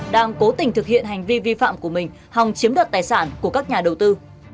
đang cố tình thực hiện hành vi vi phạm của mình hòng chiếm đoạt tài sản của các nhà đầu tư